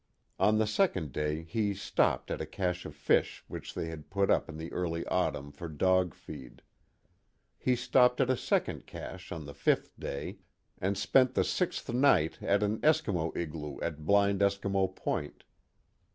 On the second day he stopped at a cache of fish which they had put up in the early autumn for dog feed. He stopped at a second cache on the fifth day, and spent the sixth night at an Eskimo igloo at Blind Eskimo Point.